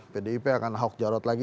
pdip akan ahok jarot lagi